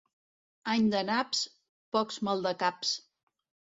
Any de naps, pocs maldecaps.